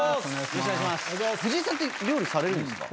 藤井さんって料理されるんですか？